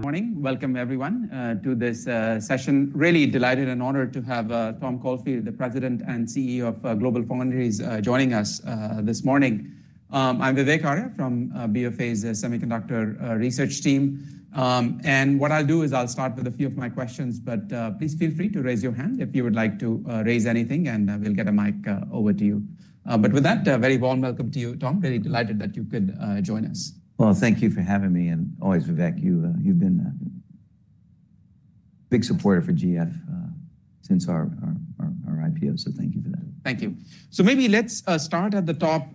Good morning. Welcome everyone to this session. Really delighted and honored to have Tom Caulfield, the President and CEO of GlobalFoundries, joining us this morning. I'm Vivek Arya from BFA's Semiconductor Research team. And what I'll do is I'll start with a few of my questions, but please feel free to raise your hand if you would like to raise anything, and we'll get a mic over to you. But with that, a very warm welcome to you, Tom. Very delighted that you could join us. Well, thank you for having me, and always, Vivek, you, you've been a big supporter for GF, since our IPO, so thank you for that. Thank you. So maybe let's start at the top.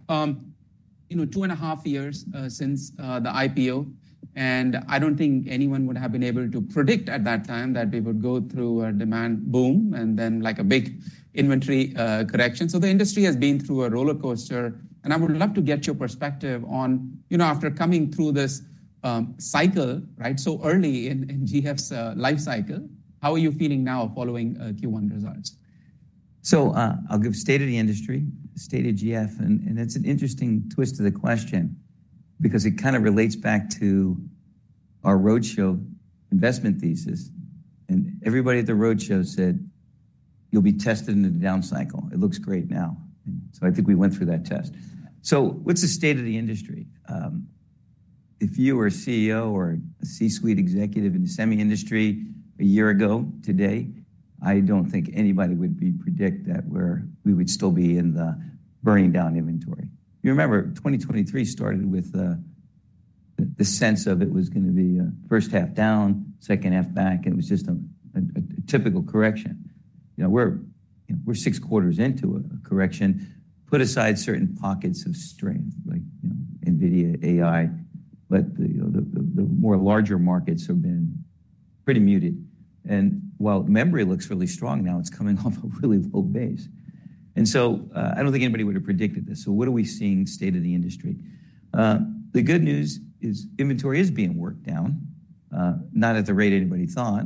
You know, two and a half years since the IPO, and I don't think anyone would have been able to predict at that time that we would go through a demand boom and then, like, a big inventory correction. So the industry has been through a rollercoaster, and I would love to get your perspective on, you know, after coming through this cycle, right, so early in GF's life cycle, how are you feeling now following Q1 results? So, I'll give state of the industry, state of GF, and it's an interesting twist to the question because it kinda relates back to our roadshow investment thesis, and everybody at the roadshow said, "You'll be tested in a down cycle. It looks great now." So I think we went through that test. So what's the state of the industry? If you were a CEO or a C-suite executive in the semi industry a year ago today, I don't think anybody would be predict that we would still be in the burning down inventory. You remember, 2023 started with, the sense of it was gonna be a first half down, second half back, and it was just a typical correction. You know, we're six quarters into a correction. Put aside certain pockets of strength, like, you know, NVIDIA, AI, but the, you know, the more larger markets have been pretty muted. And while memory looks really strong now, it's coming off a really low base. And so, I don't think anybody would have predicted this. So what are we seeing? State of the industry? The good news is inventory is being worked down, not at the rate anybody thought.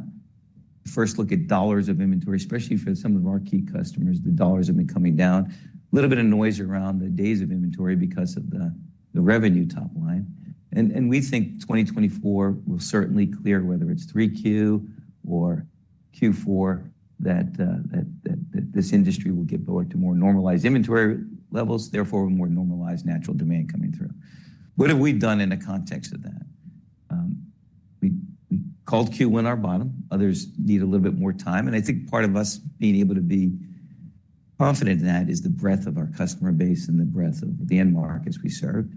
First, look at dollars of inventory, especially for some of our key customers, the dollars have been coming down. Little bit of noise around the days of inventory because of the revenue top line. And we think 2024 will certainly clear, whether it's 3Q or Q4, that this industry will get more to more normalized inventory levels, therefore more normalized natural demand coming through. What have we done in the context of that? We called Q1 our bottom. Others need a little bit more time, and I think part of us being able to be confident in that is the breadth of our customer base and the breadth of the end markets we serve.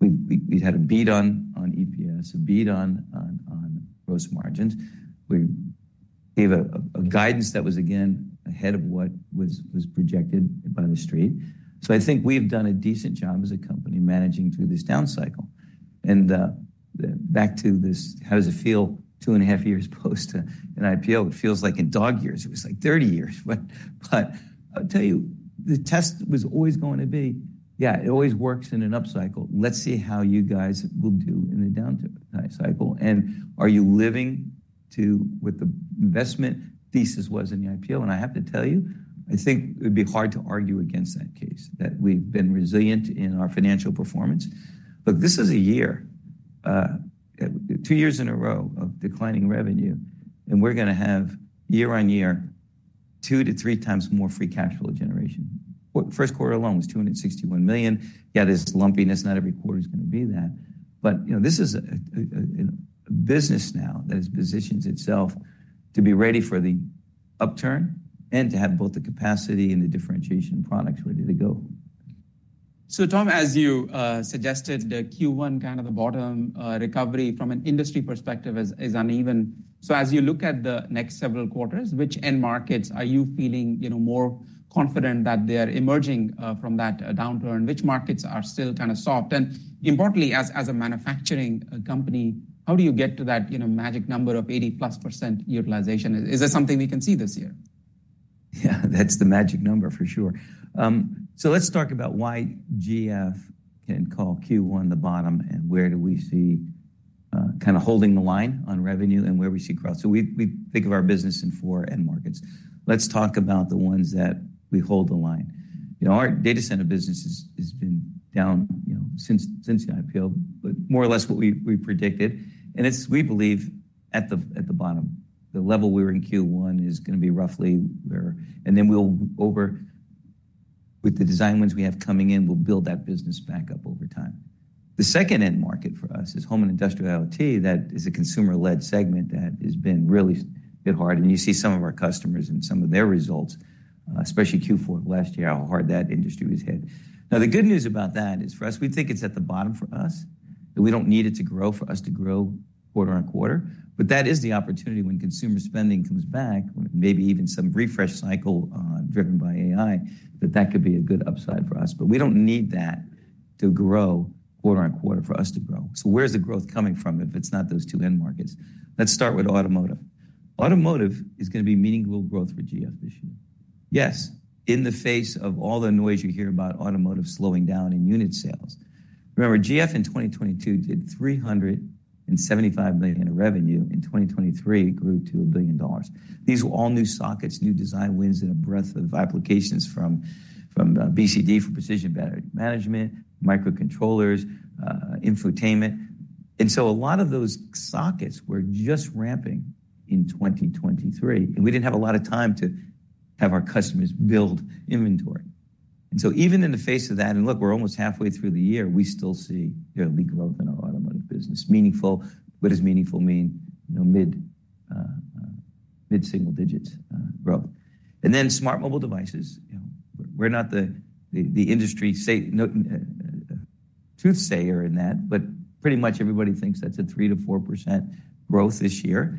We've had a beat on EPS, a beat on gross margins. We gave a guidance that was again ahead of what was projected by the street. So I think we've done a decent job as a company managing through this down cycle. And back to this, how does it feel two and a half years post an IPO? It feels like in dog years, it was like 30 years. But I'll tell you, the test was always going to be: yeah, it always works in an upcycle. Let's see how you guys will do in a down cycle. And are you living to what the investment thesis was in the IPO? And I have to tell you, I think it would be hard to argue against that case, that we've been resilient in our financial performance. Look, this is a year, two years in a row of declining revenue, and we're gonna have year-on-year, 2-3 times more free cash flow generation. Well, first quarter alone was $261 million. Yeah, there's lumpiness. Not every quarter is gonna be that. But, you know, this is a business now that has positioned itself to be ready for the upturn and to have both the capacity and the differentiation products ready to go. So Tom, as you suggested, the Q1, kind of the bottom, recovery from an industry perspective is uneven. So as you look at the next several quarters, which end markets are you feeling, you know, more confident that they are emerging from that downturn? Which markets are still kind of soft? And importantly, as a manufacturing company, how do you get to that, you know, magic number of 80%+ utilization? Is that something we can see this year? Yeah, that's the magic number for sure. So let's talk about why GF can call Q1 the bottom, and where do we see kinda holding the line on revenue and where we see growth. So we think of our business in four end markets. Let's talk about the ones that we hold the line. You know, our data center business has been down, you know, since the IPO, but more or less what we predicted. And it's, we believe, at the bottom. The level we were in Q1 is gonna be roughly there. And then with the design wins we have coming in, we'll build that business back up over time. The second end market for us is home and industrial IoT. That is a consumer-led segment that has been really hit hard, and you see some of our customers and some of their results, especially Q4 of last year, how hard that industry was hit. Now, the good news about that is for us, we think it's at the bottom for us, and we don't need it to grow for us to grow quarter on quarter. But that is the opportunity when consumer spending comes back, maybe even some refresh cycle, driven by AI, that that could be a good upside for us. But we don't need that to grow quarter on quarter for us to grow. So where's the growth coming from if it's not those two end markets? Let's start with automotive. Automotive is gonna be meaningful growth for GF this year. Yes, in the face of all the noise you hear about automotive slowing down in unit sales. Remember, GF in 2022 did $375 million in revenue. In 2023, it grew to $1 billion. These were all new sockets, new design wins, and a breadth of applications from BCD for precision battery management, microcontrollers, infotainment. And so a lot of those sockets were just ramping in 2023, and we didn't have a lot of time to have our customers build inventory. And so even in the face of that, and look, we're almost halfway through the year, we still see, you know, big growth in our automotive business. Meaningful, what does meaningful mean? You know, mid-single digits growth. Then smart mobile devices, you know, we're not the industry soothsayer in that, but pretty much everybody thinks that's a 3%-4% growth this year,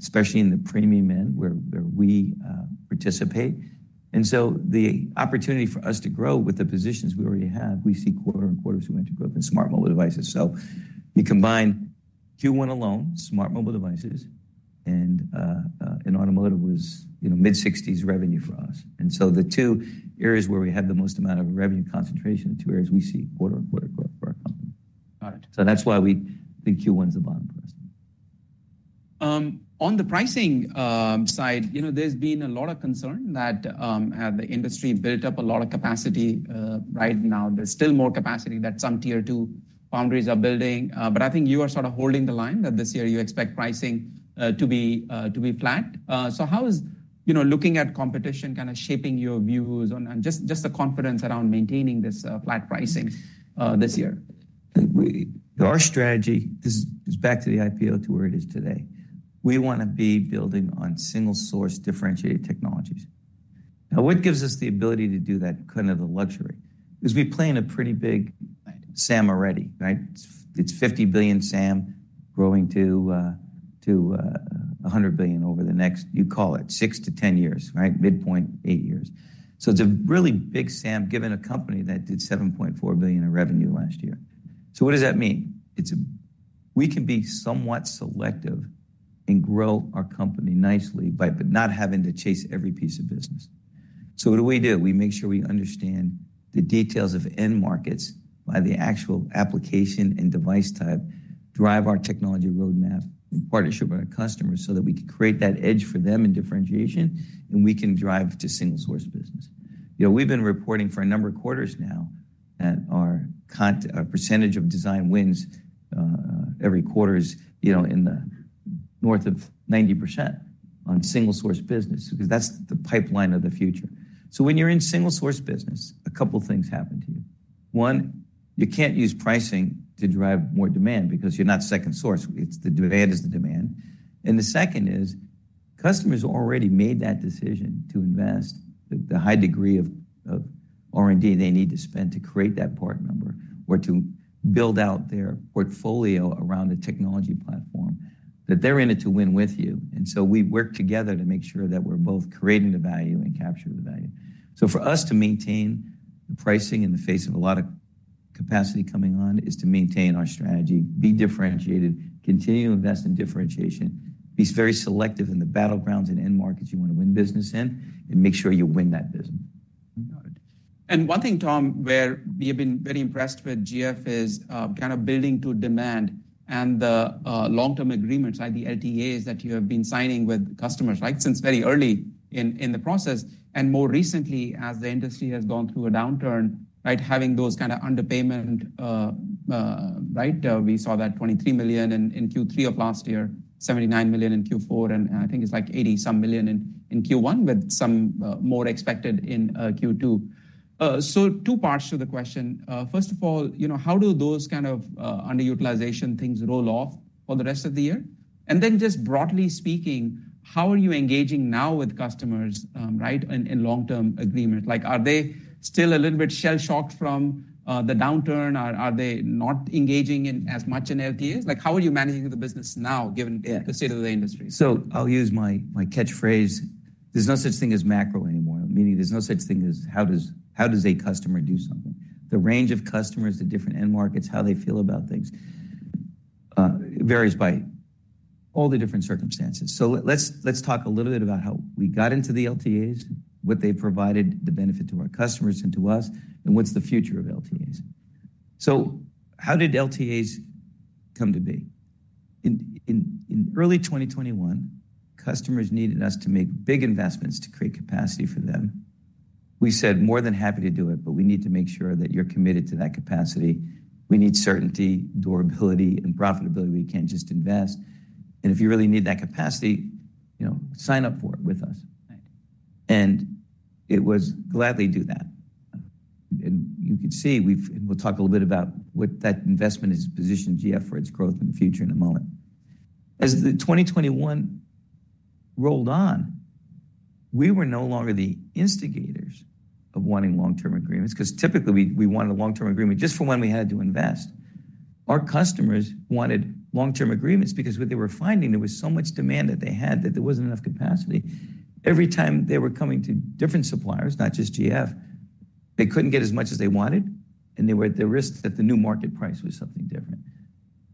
especially in the premium end, where we participate. And so the opportunity for us to grow with the positions we already have, we see quarter-on-quarter sequential growth in smart mobile devices. So you combine Q1 alone, smart mobile devices, and automotive was, you know, mid-sixties revenue for us. And so the two areas where we had the most amount of revenue concentration, the two areas we see quarter-on-quarter growth for our company. Got it. So that's why we think Q1 is the bottom for us. On the pricing side, you know, there's been a lot of concern that the industry built up a lot of capacity right now. There's still more capacity that some tier two foundries are building, but I think you are sort of holding the line, that this year you expect pricing to be flat. So how is, you know, looking at competition kinda shaping your views on... And just the confidence around maintaining this flat pricing this year? I think our strategy, this is back to the IPO, to where it is today. We wanna be building on single source differentiated technologies. Now, what gives us the ability to do that, kind of the luxury? Is we play in a pretty big- Right... SAM already, right? It's $50 billion SAM growing to $100 billion over the next, you call it, 6-10 years, right? Midpoint, 8 years. So it's a really big SAM, given a company that did $7.4 billion in revenue last year. So what does that mean? It's we can be somewhat selective and grow our company nicely by not having to chase every piece of business. So what do we do? We make sure we understand the details of end markets by the actual application and device type, drive our technology roadmap in partnership with our customers, so that we can create that edge for them in differentiation, and we can drive to single source business. You know, we've been reporting for a number of quarters now that our percentage of design wins every quarter is, you know, in the north of 90% on single source business, because that's the pipeline of the future. So when you're in single source business, a couple things happen to you. One, you can't use pricing to drive more demand because you're not second source. It's the demand is the demand. And the second is, customers already made that decision to invest the, the high degree of, of R&D they need to spend to create that part number, or to build out their portfolio around a technology platform, that they're in it to win with you. And so we work together to make sure that we're both creating the value and capturing the value. For us to maintain the pricing in the face of a lot of capacity coming on, is to maintain our strategy, be differentiated, continue to invest in differentiation, be very selective in the battlegrounds and end markets you want to win business in, and make sure you win that business. Got it. One thing, Tom, where we have been very impressed with GF is kind of building to demand and the long-term agreements, like the LTAs, that you have been signing with customers, right? Since very early in the process, and more recently, as the industry has gone through a downturn, right? Having those kind of underutilization payments, right, we saw that $23 million in Q3 of last year, $79 million in Q4, and I think it's like $80-some million in Q1, with some more expected in Q2. So two parts to the question. First of all, you know, how do those kind of underutilization things roll off for the rest of the year? And then just broadly speaking, how are you engaging now with customers, right, in long-term agreements? Like, are they still a little bit shell-shocked from the downturn? Or are they not engaging in as much in LTAs? Like, how are you managing the business now, given- Yeah... the state of the industry? So I'll use my catchphrase: There's no such thing as macro anymore. Meaning there's no such thing as how does a customer do something? The range of customers, the different end markets, how they feel about things varies by all the different circumstances. So let's talk a little bit about how we got into the LTAs, what they provided, the benefit to our customers and to us, and what's the future of LTAs. So how did LTAs come to be? In early 2021, customers needed us to make big investments to create capacity for them. We said, "More than happy to do it, but we need to make sure that you're committed to that capacity. We need certainty, durability, and profitability. We can't just invest. And if you really need that capacity, you know, sign up for it with us. Right. And it was, gladly do that. And you could see, we've, we'll talk a little bit about what that investment has positioned GF for its growth in the future in a moment. As the 2021 rolled on, we were no longer the instigators of wanting long-term agreements, 'cause typically, we, we wanted a long-term agreement just for when we had to invest. Our customers wanted long-term agreements because what they were finding, there was so much demand that they had, that there wasn't enough capacity. Every time they were coming to different suppliers, not just GF, they couldn't get as much as they wanted, and they were at the risk that the new market price was something different.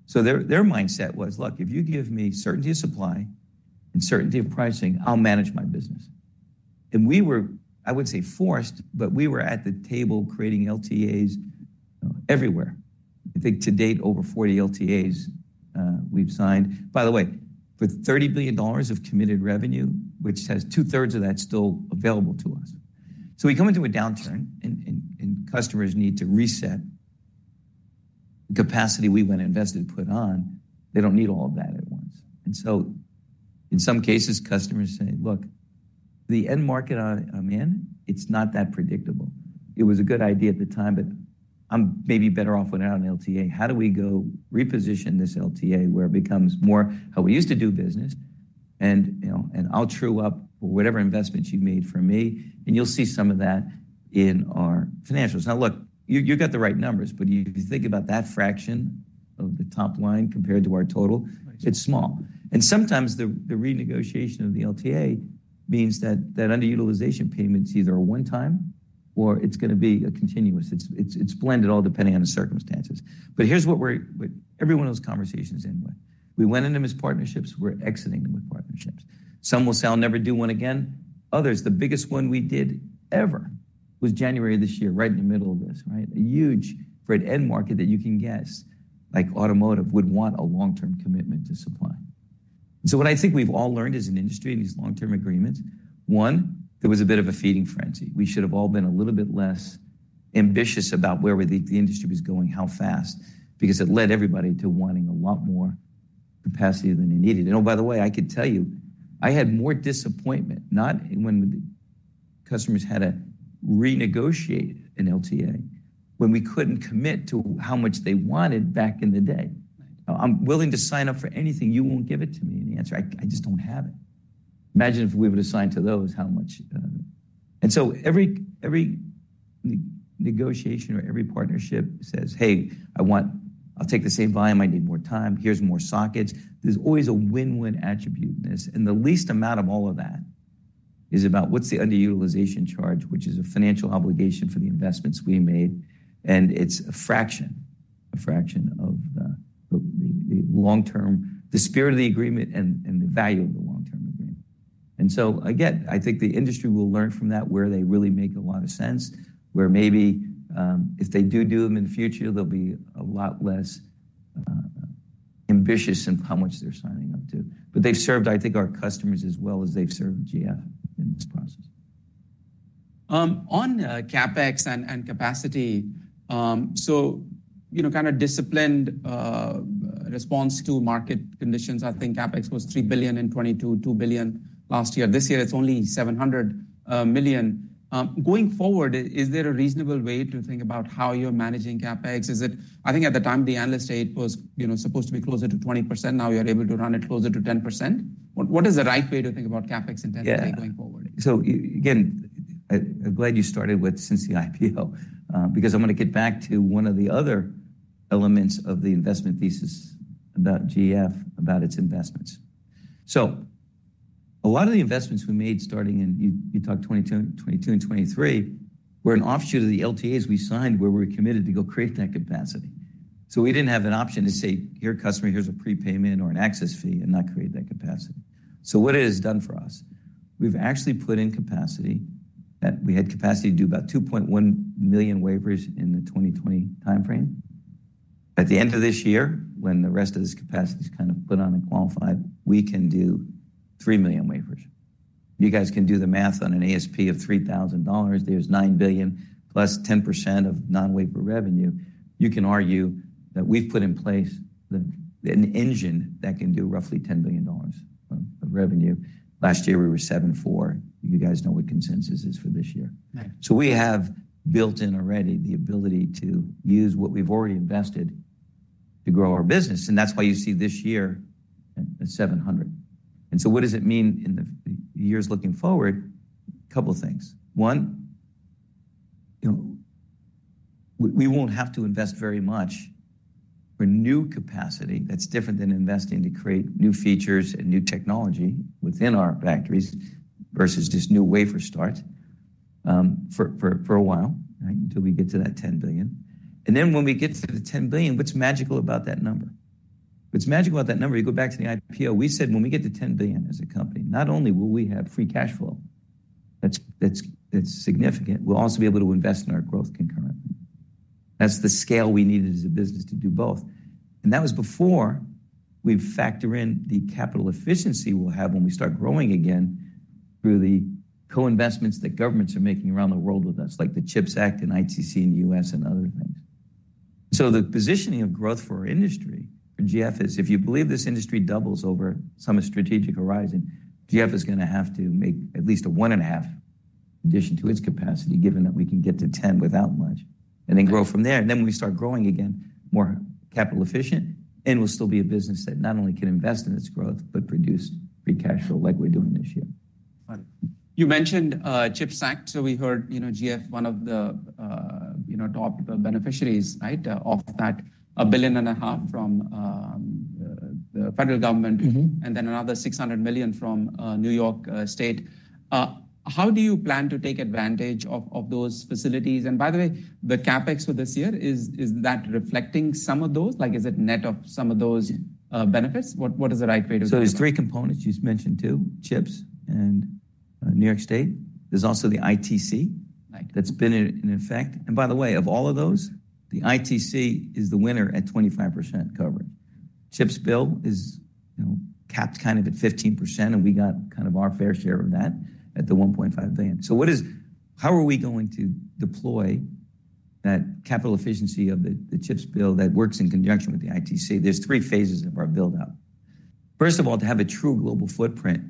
So their, their mindset was: Look, if you give me certainty of supply and certainty of pricing, I'll manage my business. And we were, I wouldn't say forced, but we were at the table creating LTAs everywhere. I think to date, over 40 LTAs, we've signed. By the way, with $30 billion of committed revenue, which has two-thirds of that still available to us. So we come into a downturn and customers need to reset. The capacity we went and invested and put on, they don't need all of that at once. And so in some cases, customers say, "Look, the end market I'm in, it's not that predictable. It was a good idea at the time, but I'm maybe better off without an LTA. How do we go reposition this LTA where it becomes more how we used to do business? And, you know, and I'll true up whatever investments you've made from me," and you'll see some of that in our financials. Now, look, you, you've got the right numbers, but if you think about that fraction of the top line compared to our total- Right. It's small. And sometimes the renegotiation of the LTA means that underutilization payment's either a one-time or it's gonna be a continuous. It's blended all depending on the circumstances. But here's what we're, what every one of those conversations end with. We went into them as partnerships, we're exiting them with partnerships. Some will say, "I'll never do one again." Others, the biggest one we did ever was January of this year, right in the middle of this, right? A huge for an end market that you can guess, like automotive, would want a long-term commitment to supply. So what I think we've all learned as an industry in these long-term agreements, one, there was a bit of a feeding frenzy. We should have all been a little bit less ambitious about where we think the industry was going, how fast, because it led everybody to wanting a lot more capacity than they needed. Oh, by the way, I could tell you, I had more disappointment, not when the customers had to renegotiate an LTA, when we couldn't commit to how much they wanted back in the day. Right. I'm willing to sign up for anything. You won't give it to me." And the answer: "I, I just don't have it." Imagine if we would have signed to those, how much. And so every negotiation or every partnership says: "Hey, I want—I'll take the same volume. I need more time. Here's more sockets." There's always a win-win attribute in this, and the least amount of all of that is about what's the underutilization charge, which is a financial obligation for the investments we made, and it's a fraction of the long term, the spirit of the agreement and the value of the long-term agreement. And so again, I think the industry will learn from that where they really make a lot of sense, where maybe, if they do do them in the future, they'll be a lot less ambitious in how much they're signing up to. But they've served, I think, our customers as well as they've served GF in this process. On CapEx and capacity, so, you know, kind of disciplined response to market conditions. I think CapEx was $3 billion in 2022, $2 billion last year. This year, it's only $700 million. Going forward, is there a reasonable way to think about how you're managing CapEx? Is it—I think at the time, the analyst state was, you know, supposed to be closer to 20%. Now you're able to run it closer to 10%. What is the right way to think about CapEx intentionally going forward? Yeah. So again, I'm glad you started with since the IPO, because I'm gonna get back to one of the other elements of the investment thesis about GF, about its investments. So a lot of the investments we made, starting in—you talked 2022 and 2023—were an offshoot of the LTAs we signed, where we're committed to go create that capacity. So what it has done for us, we've actually put in capacity that we had capacity to do about 2.1 million wafers in the 2020 timeframe. At the end of this year, when the rest of this capacity is kind of put on and qualified, we can do 3 million wafers. You guys can do the math on an ASP of $3,000. There's $9 billion plus 10% of non-wafer revenue. You can argue that we've put in place an engine that can do roughly $10 billion of revenue. Last year, we were $7.4 billion. You guys know what consensus is for this year. Right. So we have built in already the ability to use what we've already invested to grow our business, and that's why you see this year at $700 million. So what does it mean in the years looking forward? Couple things. One, you know, we won't have to invest very much for new capacity. That's different than investing to create new features and new technology within our factories versus just new wafer starts for a while, right? Until we get to that $10 billion. And then when we get to the $10 billion, what's magical about that number? What's magical about that number, you go back to the IPO. We said, when we get to $10 billion as a company, not only will we have free cash flow that's significant, we'll also be able to invest in our growth concurrently. That's the scale we needed as a business to do both. That was before we factor in the capital efficiency we'll have when we start growing again through the co-investments that governments are making around the world with us, like the CHIPS Act and ITC in the U.S., and other things. The positioning of growth for our industry, for GF is, if you believe this industry doubles over some strategic horizon, GF is gonna have to make at least a 1.5 addition to its capacity, given that we can get to 10 without much, and then grow from there. When we start growing again, more capital efficient, and we'll still be a business that not only can invest in its growth, but produce free cash flow like we're doing this year. Right. You mentioned CHIPS Act, so we heard, you know, GF, one of the, you know, top beneficiaries, right, of that $1.5 billion from the federal government- Mm-hmm. -and then another $600 million from New York State. How do you plan to take advantage of those facilities? And by the way, the CapEx for this year, is, is that reflecting some of those? Like, is it net of some of those, benefits? What, what is the right way to- There's three components. You just mentioned two, CHIPS and New York State. There's also the ITC- Right. that's been in effect. And by the way, of all of those, the ITC is the winner at 25% coverage. The CHIPS bill is, you know, capped kind of at 15%, and we got kind of our fair share of that at the $1.5 billion. So how are we going to deploy that capital efficiency of the CHIPS bill that works in conjunction with the ITC? There's three phases of our build-out. First of all, to have a true global footprint,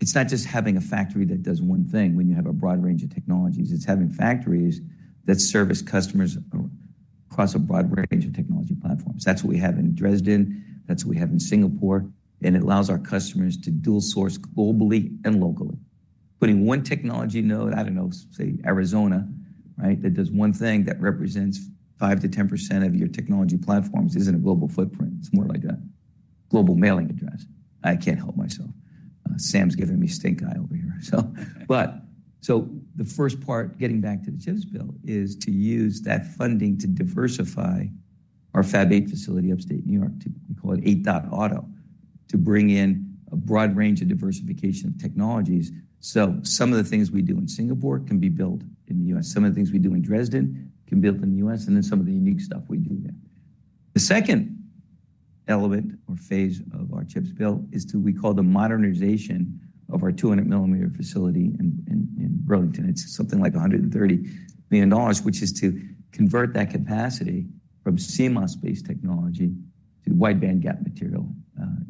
it's not just having a factory that does one thing when you have a broad range of technologies. It's having factories that service customers across a broad range of technology platforms. That's what we have in Dresden, that's what we have in Singapore, and it allows our customers to dual source globally and locally. Putting one technology node, I don't know, say, Arizona, right, that does one thing that represents 5%-10% of your technology platforms isn't a global footprint. It's more like a global mailing address. I can't help myself. Sam's giving me stink eye over here, so. So the first part, getting back to the CHIPS bill, is to use that funding to diversify our Fab 8 facility in upstate New York, we call it 8.auto, to bring in a broad range of diversification of technologies. So some of the things we do in Singapore can be built in the US, some of the things we do in Dresden can be built in the US, and then some of the unique stuff we do there. The second element or phase of our CHIPS bill is to, we call the modernization of our 200 millimeter facility in Burlington. It's something like $130 million, which is to convert that capacity from CMOS-based technology to wide bandgap material,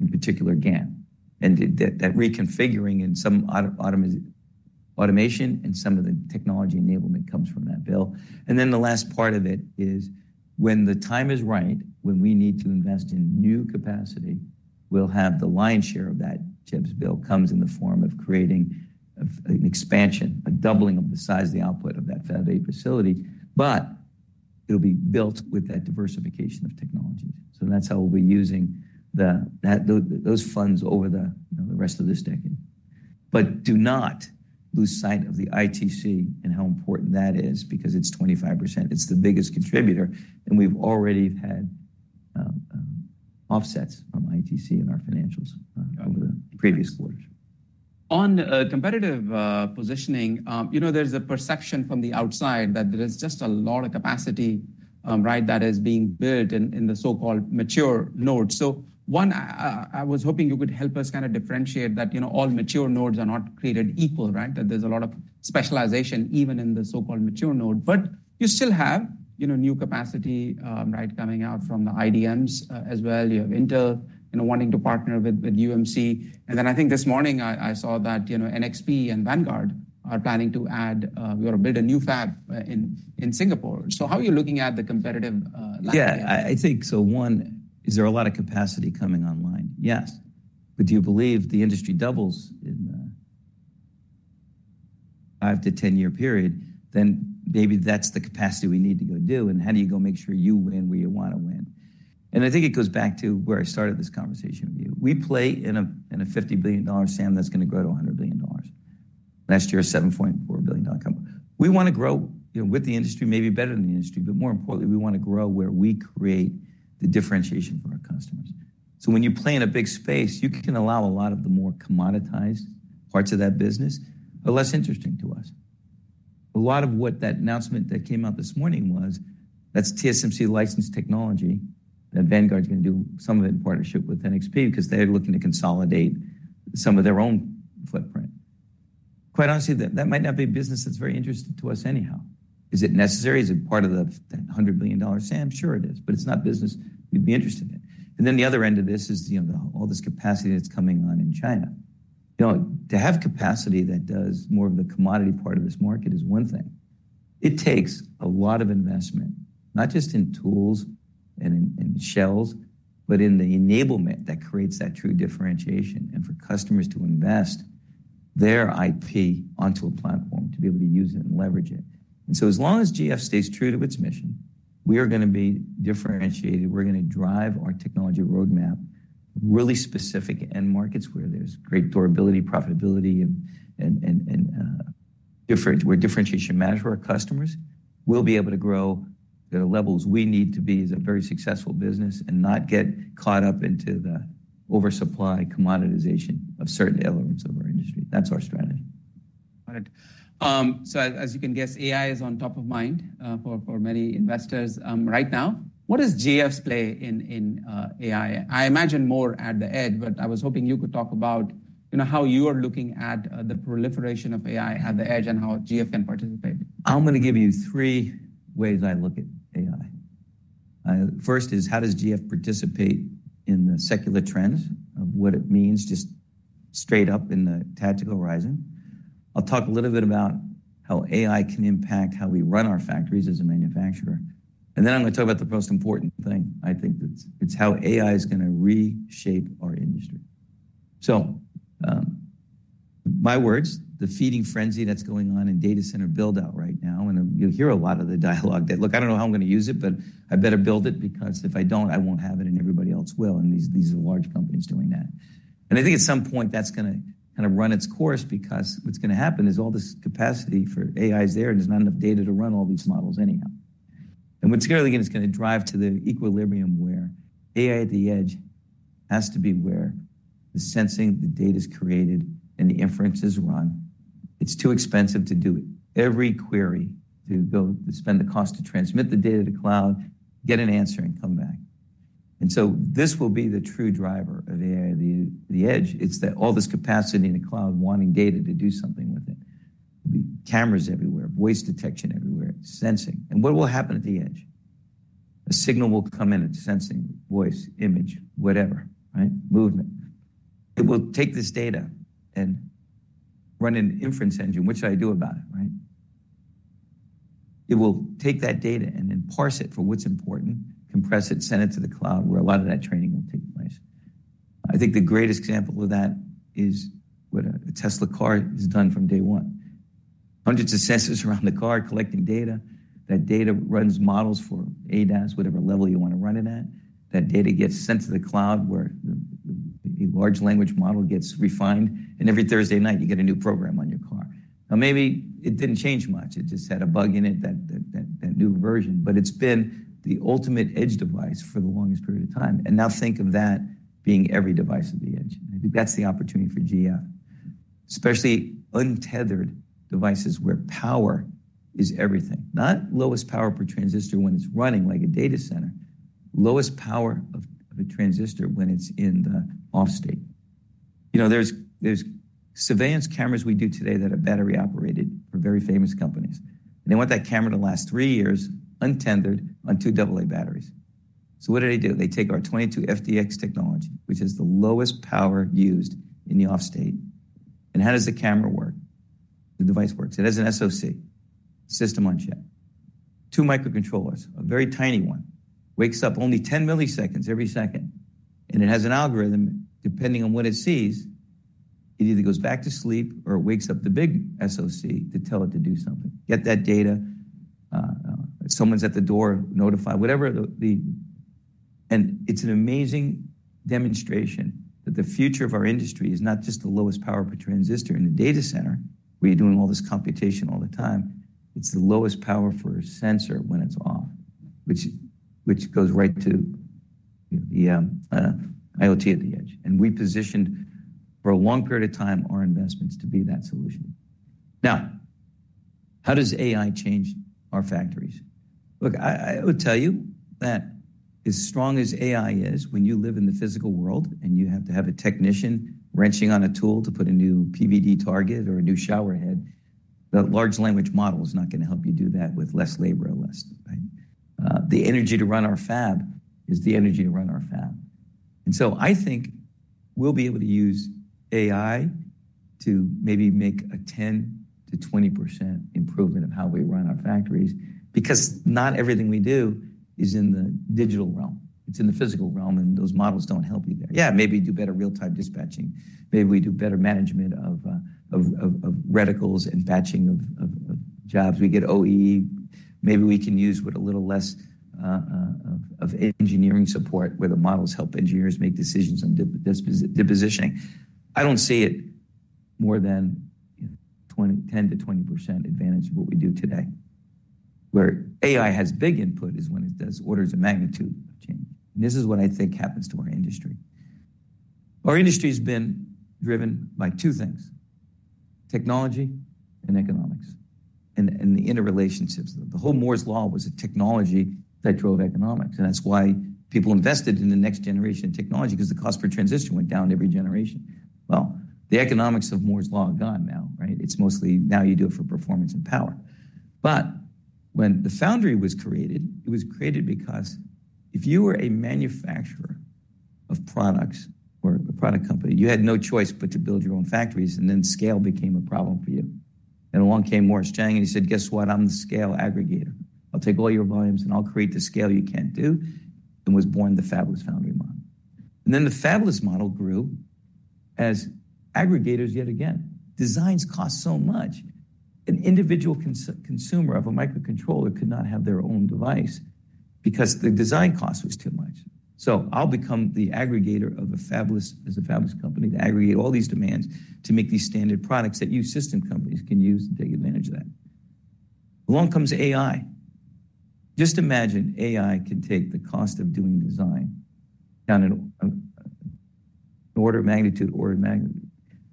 in particular, GaN. And that reconfiguring and some automation and some of the technology enablement comes from that bill. And then the last part of it is, when the time is right, when we need to invest in new capacity, we'll have the lion's share of that CHIPS bill comes in the form of creating of an expansion, a doubling of the size of the output of that Fab 8 facility, but it'll be built with that diversification of technologies. So that's how we'll be using those funds over the, you know, the rest of this decade. But do not lose sight of the ITC and how important that is, because it's 25%. It's the biggest contributor, and we've already had offsets from ITC in our financials over the previous quarters. On competitive positioning, you know, there's a perception from the outside that there is just a lot of capacity, right, that is being built in the so-called mature nodes. So one, I was hoping you could help us kinda differentiate that, you know, all mature nodes are not created equal, right? That there's a lot of specialization, even in the so-called mature node. But you still have, you know, new capacity, right, coming out from the IDMs, as well. You have Intel, you know, wanting to partner with UMC, and then I think this morning I saw that, you know, NXP and Vanguard are planning to add or build a new fab in Singapore. So how are you looking at the competitive landscape? Yeah, I think so. One, is there a lot of capacity coming online? Yes. But do you believe the industry doubles in a 5-10-year period, then maybe that's the capacity we need to go do, and how do you go make sure you win where you wanna win? And I think it goes back to where I started this conversation with you. We play in a $50 billion SAM that's gonna grow to $100 billion. Last year, $7.4 billion company. We wanna grow, you know, with the industry, maybe better than the industry, but more importantly, we wanna grow where we create the differentiation for our customers. So when you play in a big space, you can allow a lot of the more commoditized parts of that business are less interesting to us. A lot of what that announcement that came out this morning was, that's TSMC-licensed technology, that Vanguard is gonna do some of it in partnership with NXP because they're looking to consolidate some of their own footprint. Quite honestly, that, that might not be a business that's very interesting to us anyhow. Is it necessary? Is it part of the $100 billion SAM? Sure it is, but it's not business we'd be interested in. And then the other end of this is, you know, all this capacity that's coming on in China. You know, to have capacity that does more of the commodity part of this market is one thing. It takes a lot of investment, not just in tools and in shells, but in the enablement that creates that true differentiation, and for customers to invest their IP onto a platform to be able to use it and leverage it. So as long as GF stays true to its mission, we are gonna be differentiated. We're gonna drive our technology roadmap, really specific end markets where there's great durability, profitability, and where differentiation matters for our customers. We'll be able to grow to the levels we need to be as a very successful business and not get caught up into the oversupply commoditization of certain elements of our industry. That's our strategy. Got it. So as you can guess, AI is on top of mind for many investors right now. What is GF's play in AI? I imagine more at the edge, but I was hoping you could talk about, you know, how you are looking at the proliferation of AI at the edge and how GF can participate. I'm gonna give you three ways I look at AI. First is, how does GF participate in the secular trends of what it means, just straight up in the tactical horizon? I'll talk a little bit about how AI can impact how we run our factories as a manufacturer. And then I'm gonna talk about the most important thing, I think that's, it's how AI is gonna reshape our industry. So, my words, the feeding frenzy that's going on in data center build-out right now, and you'll hear a lot of the dialogue that, "Look, I don't know how I'm gonna use it, but I better build it, because if I don't, I won't have it and everybody else will." And these, these are large companies doing that. I think at some point that's gonna kinda run its course because what's gonna happen is all this capacity for AI is there, and there's not enough data to run all these models anyhow. And what's gonna again, is gonna drive to the equilibrium where AI at the edge has to be where the sensing, the data is created, and the inference is run. It's too expensive to do it. Every query to go, to spend the cost to transmit the data to cloud, get an answer, and come back. And so this will be the true driver of AI, the, the edge. It's that all this capacity in the cloud wanting data to do something with it. There'll be cameras everywhere, voice detection everywhere, sensing. And what will happen at the edge? A signal will come in, it's sensing, voice, image, whatever, right? Movement. It will take this data and run an inference engine. What should I do about it, right? It will take that data and then parse it for what's important, compress it, and send it to the cloud, where a lot of that training will take place. I think the greatest example of that is what a Tesla car has done from day one. Hundreds of sensors around the car collecting data. That data runs models for ADAS, whatever level you want to run it at. That data gets sent to the cloud, where the large language model gets refined, and every Thursday night, you get a new program on your car. Now, maybe it didn't change much. It just had a bug in it, that new version, but it's been the ultimate edge device for the longest period of time. Now think of that being every device at the edge. I think that's the opportunity for GF. Especially untethered devices, where power is everything. Not lowest power per transistor when it's running like a data center, lowest power of a transistor when it's in the off state. You know, there's surveillance cameras we do today that are battery-operated for very famous companies, and they want that camera to last 3 years, untethered, on 2 AA batteries. So what do they do? They take our 22FDX technology, which is the lowest power used in the off state. And how does the camera work? The device works. It has an SoC, system-on-chip. 2 microcontrollers, a very tiny one, wakes up only 10 milliseconds every second, and it has an algorithm. Depending on what it sees, it either goes back to sleep or wakes up the big SoC to tell it to do something. Get that data, someone's at the door, notify, whatever the. It's an amazing demonstration that the future of our industry is not just the lowest power per transistor in the data center, where you're doing all this computation all the time. It's the lowest power for a sensor when it's off, which goes right to the IoT at the edge, and we positioned for a long period of time our investments to be that solution. Now, how does AI change our factories? Look, I would tell you that as strong as AI is, when you live in the physical world and you have to have a technician wrenching on a tool to put a new PVD target or a new shower head, that large language model is not gonna help you do that with less labor or less, right? The energy to run our fab is the energy to run our fab. And so I think we'll be able to use AI to maybe make a 10%-20% improvement of how we run our factories, because not everything we do is in the digital realm. It's in the physical realm, and those models don't help you there. Yeah, maybe do better real-time dispatching. Maybe we do better management of reticles and batching of jobs. We get OEE. Maybe we can use with a little less of engineering support, where the models help engineers make decisions on depositioning. I don't see it more than, you know, 10%-20% advantage of what we do today. Where AI has big input is when it does orders of magnitude of change, and this is what I think happens to our induSy. Our industry's been driven by two things: technology and economics, and the interrelationships. The whole Moore's Law was a technology that drove economics, and that's why people invested in the next generation of technology because the cost per transition went down every generation. Well, the economics of Moore's Law are gone now, right? It's mostly now you do it for performance and power. But when the foundry was created, it was created because if you were a manufacturer of products or a product company, you had no choice but to build your own factories, and then scale became a problem for you. And along came Morris Chang, and he said: "Guess what? I'm the scale aggregator. I'll take all your volumes, and I'll create the scale you can't do," and was born the fabless foundry model. And then the fabless model grew as aggregators yet again. Designs cost so much. An individual consumer of a microcontroller could not have their own device because the design cost was too much. So I'll become the aggregator of a fabless, as a fabless company, to aggregate all these demands to make these standard products that you system companies can use to take advantage of that. Along comes AI. Just imagine, AI can take the cost of doing design down in an order of magnitude, order of magnitude.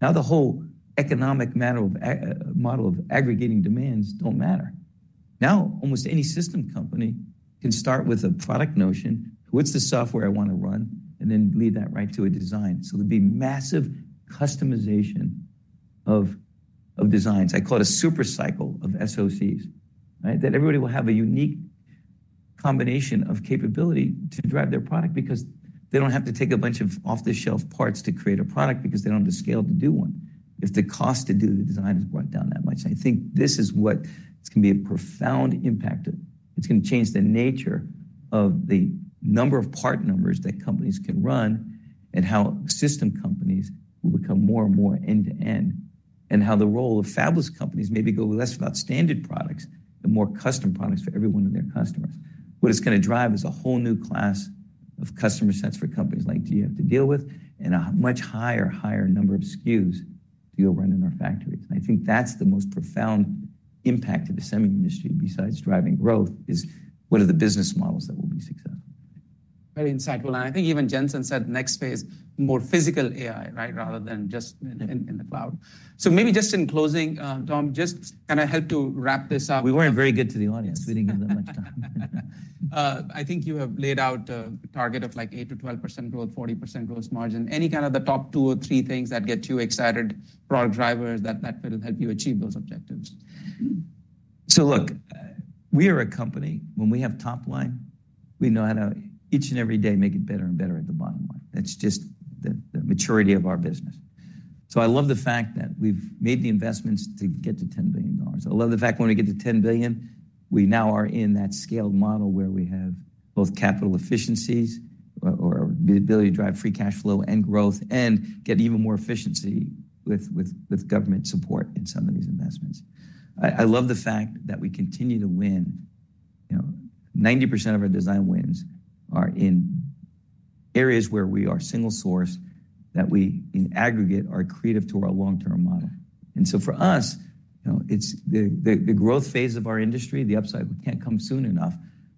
Now, the whole economic matter of a model of aggregating demands don't matter. Now, almost any system company can start with a product notion, what's the software I want to run? And then lead that right to a design. So there'd be massive customization of designs. I call it a super cycle of SoCs, right? That everybody will have a unique combination of capability to drive their product because they don't have to take a bunch of off-the-shelf parts to create a product, because they don't have the scale to do one, if the cost to do the design is brought down that much. I think this is what... It's gonna change the nature of the number of part numbers that companies can run and how system companies will become more and more end-to-end, and how the role of fabless companies maybe go less about standard products and more custom products for every one of their customers. What it's gonna drive is a whole new class of customer sets for companies like GF to deal with and a much higher, higher number of SKUs to go run in our factories. And I think that's the most profound impact to the semi industry, besides driving growth, is what are the business models that will be successful? Very insightful, and I think even Jensen said next phase, more physical AI, right? Rather than just in the cloud. So maybe just in closing, Tom, just kinda help to wrap this up. We weren't very good to the audience. We didn't give that much time. I think you have laid out a target of, like, 8%-12% growth, 40% gross margin. Any kind of the top two or three things that get you excited, product drivers, that will help you achieve those objectives? So look, we are a company, when we have top line, we know how to, each and every day, make it better and better at the bottom line. That's just the maturity of our business. So I love the fact that we've made the investments to get to $10 billion. I love the fact that when we get to $10 billion, we now are in that scaled model where we have both capital efficiencies or the ability to drive free cash flow and growth and get even more efficiency with, with, with government support in some of these investments. I love the fact that we continue to win. You know, 90% of our design wins are in areas where we are single source, that we, in aggregate, are accretive to our long-term model. And so for us, you know, it's the growth phase of our industry, the upside, we can't come soon enough.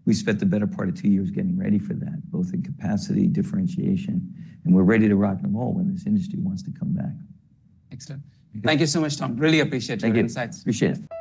We spent the better part of two years getting ready for that, both in capacity, differentiation, and we're ready to rock and roll when this industry wants to come back. Excellent. Thank you so much, Tom. Really appreciate your insights. Thank you. Appreciate it.